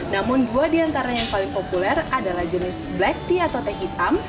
namun dua di antara yang paling populer adalah jenis black tea atau teh hitam